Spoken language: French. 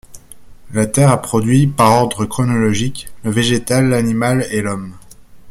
La terre a produit, par ordre chronologique, le végétal, l'animal et l'homme.